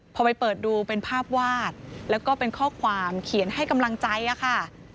พอไปเปิดดูเป็นภาพวาดแล้วก็เป็นข้อความเขียนให้กำลังใจค่ะ